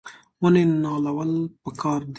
ونې نالول پکار دي